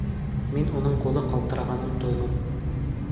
Мин уның ҡулы ҡалтырағанын тойҙом.